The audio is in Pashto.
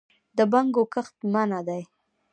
د بنګو کښت منع دی؟